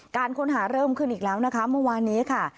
การค้นหาเริ่มขึ้นอีกแล้วนะคะเมื่อวานนี้ค่ะ